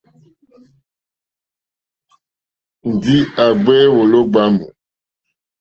Ndǐ à ɡbě wòló ɡbámù.